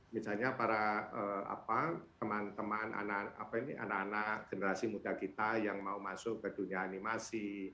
misalnya para teman teman anak anak generasi muda kita yang mau masuk ke dunia animasi